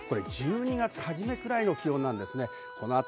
１２月初めくらいの気温です。